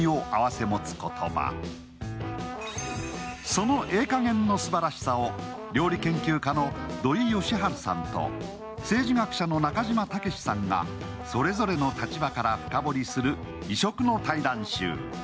その「ええかげん」のすばらしさを料理研究家の土井善晴さんと政治学者の中島岳志さんがそれぞれの立場から深掘りする異色の対談集。